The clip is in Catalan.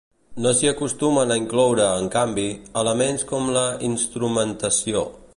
No s'hi acostumen a incloure, en canvi, elements com la instrumentació.